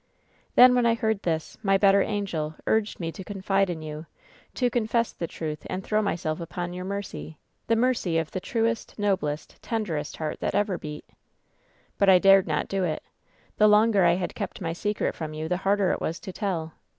"Then, when I heard this, my better angel urged me to confide in you — to confess the'truth and throw myself upon your mercy — ^the mercy of the truest, noblest, ten ^ derest heart that ever beat ! "But I dared not do it. The longer I had kept my secret from you the harder it was to tell.